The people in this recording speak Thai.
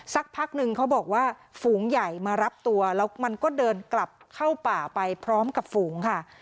สักพักนึงเขาบอกว่าฝูงใหญ่มารับตัวแล้วมันก็เดินกลับเข้าป่าไปพร้อมกับฝูงค่ะ